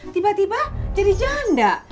tiba tiba jadi janda